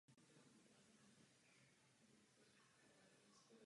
Střecha věže je krytá šindelem.